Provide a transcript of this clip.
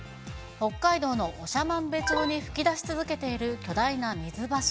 北海道の長万部町に噴き出し続けている巨大な水柱。